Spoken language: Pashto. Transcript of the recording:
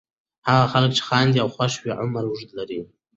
هغه خلک چې خاندي او خوښ وي عمر اوږد لري.